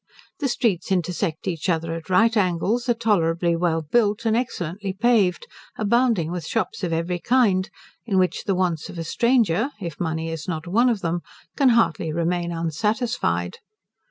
The streets intersect each other at right angles, are tolerably well built, and excellently paved, abounding with shops of every kind, in which the wants of a stranger, if money is not one of them, can hardly remain unsatisfied.